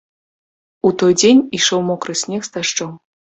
У той дзень ішоў мокры снег з дажджом.